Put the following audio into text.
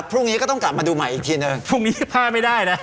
พรุ่งนี้ก็ต้องกลับมาดูใหม่อีกทีหนึ่งพรุ่งนี้พลาดไม่ได้นะ